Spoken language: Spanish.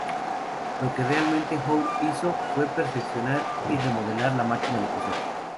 Lo que realmente Howe hizo fue perfeccionar y remodelar la máquina de coser.